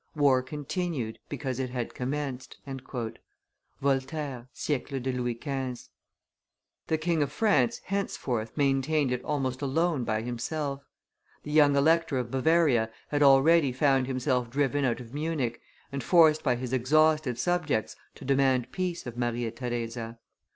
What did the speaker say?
War continued, because it had commenced." [Voltaire, Siecle de Louis XV.] The King of France henceforth maintained it almost alone by himself. The young Elector of Bavaria had already found himself driven out of Munich, and forced by his exhausted subjects to demand peace of Maria Theresa.